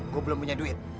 gue belum punya duit